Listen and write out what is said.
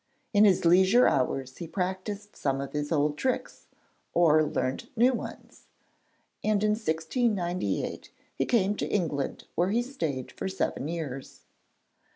In his leisure hours he practised some of his old tricks, or learnt new ones, and in 1698 he came to England where he stayed for seven years.